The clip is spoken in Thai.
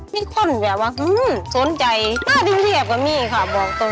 มีคนแบบว่าสนใจป้าดินเรียบก็มีค่ะบอกตรง